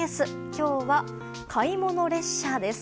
今日は、買い物列車です。